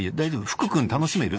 福君楽しめる？